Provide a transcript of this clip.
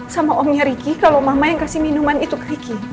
sama omnya ricky kalau mama yang kasih minuman itu ke ricky